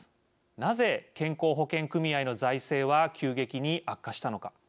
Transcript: なぜ健康保険組合の財政は急激に悪化したのか。